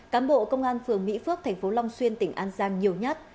cám bộ công an phường mỹ phước thành phố long xuyên tỉnh an giang nhiều nhất